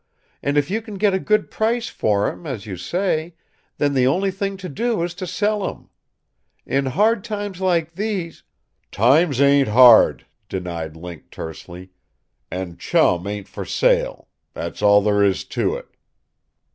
And if you can get a good price for him, as you say, then the only thing to do is to sell him. In hard times like these " "Times ain't hard," denied Link tersely. "And Chum ain't for sale. That's all there is to it."